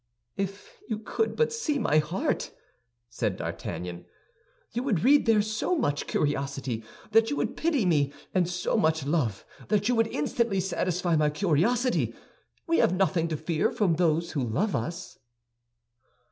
"If you could see my heart," said D'Artagnan, "you would there read so much curiosity that you would pity me and so much love that you would instantly satisfy my curiosity. We have nothing to fear from those who love us."